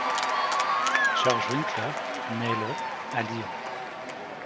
Georges Winckler naît le à Lyon.